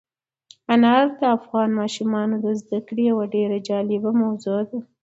انار د افغان ماشومانو د زده کړې یوه ډېره جالبه موضوع ده.